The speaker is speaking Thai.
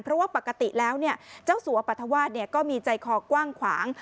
เพราะว่าปกติแล้วเจ้าสัวปรัฐวาสก็มีใจคอกว้างขวาง